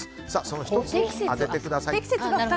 その１つを当ててください。